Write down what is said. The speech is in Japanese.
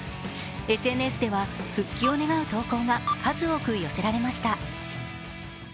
ＳＮＳでは復帰を願う投稿が数多く寄せられました。